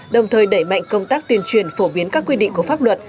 đồng thời đẩy mạnh công tác tuyên truyền phổ biến các quy định của pháp luật